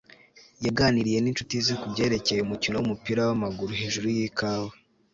yaganiriye ninshuti ze kubyerekeye umukino wumupira wamaguru hejuru yikawa